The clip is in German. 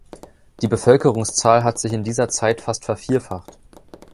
Die Bevölkerungszahl hat sich in dieser Zeit fast vervierfacht.